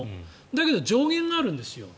だけど上限があるんですよ。